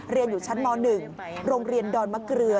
เรียนอยู่ชั้นม๑โรงเรียนดอนมะเกลือ